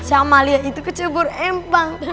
si amalia itu kecebur empang